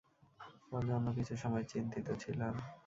ওর জন্য কিছু সময় চিন্তিত ছিলাম।